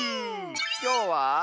きょうは。